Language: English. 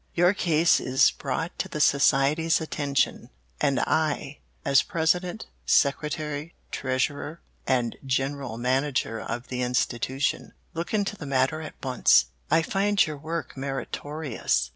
Your case is brought to the society's attention, and I, as President, Secretary, Treasurer, and General Manager of the institution, look into the matter at once. "I find your work meritorious.